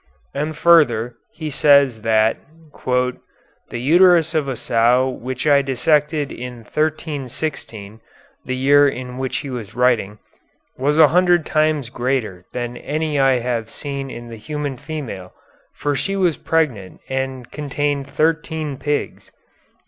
And further, he says that 'the uterus of a sow which I dissected in 1316 (the year in which he was writing) was a hundred times greater than any I have seen in the human female, for she was pregnant and contained thirteen pigs.'